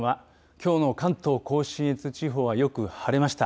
きょうの関東甲信越地方は、よく晴れました。